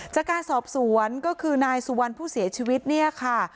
จากการสอบสวนก็คือนายสุวรรณผู้เสียชีวิตเนี่ยค่ะ